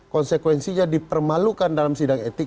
konsekuensinya dipermalukan dalam sidang etik